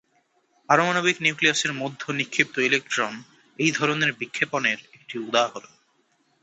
পারমাণবিক নিউক্লিয়াসের মধ্য নিক্ষিপ্ত ইলেকট্রন এই ধরনের বিক্ষেপণের একটি উদাহরণ।